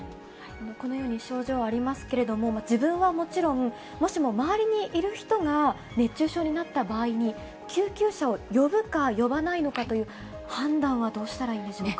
このように症状ありますけれども、自分はもちろん、もしも周りにいる人が熱中症になった場合に、救急車を呼ぶか、呼ばないのかという判断はどうしたらいいんでしょうか。